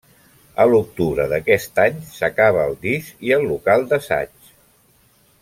A l'octubre d'aquest any s'acaba el disc i el local d'assaig.